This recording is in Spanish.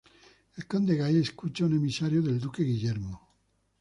El conde Guy escucha a un emisario del duque Guillermo.